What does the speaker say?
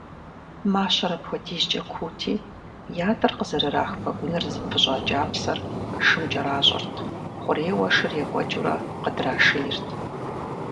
Мащэр апхуэдизкӏэ куути, ятӏэр къызэрырах пэгуныр зыпыщӏа кӏапсэр шым кӏэращӏэрт, хъурейуэ шыр екӏуэкӏыурэ къыдрашейрт.